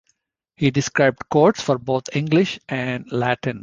He described codes for both English and Latin.